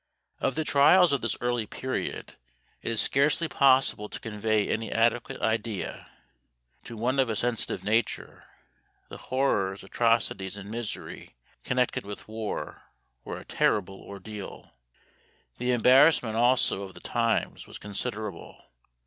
Of the trials of this early period it is scarcely possible to convey any adequate idea. To one of a sensitive nature, the horrors, atrocities, and misery connected with war were a terrible ordeal. The embarrassment also of the times was considerable.